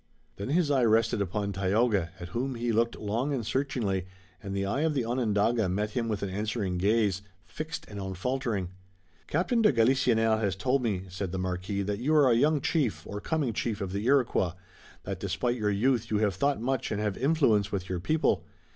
Then his eye rested upon Tayoga, at whom he looked long and searchingly, and the eye of the Onondaga met him with an answering gaze, fixed and unfaltering. "Captain de Galisonnière has told me," said the Marquis, "that you are a young chief, or coming chief, of the Iroquois, that despite your youth you have thought much and have influence with your people.